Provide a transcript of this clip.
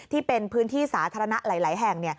ที่เป็นพื้นที่สาธารณะหลายแห่ง